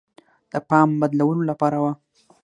د پام بدلولو لپاره وه.